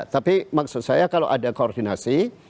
tapi maksud saya kalau ada koordinasi